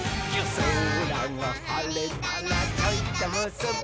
「そらがはれたらちょいとむすび」